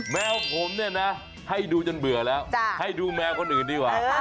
แมวผมเนี่ยนะให้ดูจนเบื่อแล้วให้ดูแมวคนอื่นดีกว่า